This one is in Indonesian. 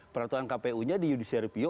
peraturan kpu nya diudisiar review